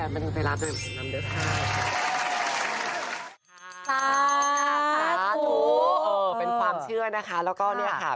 เป็นความเชื่อนะคะ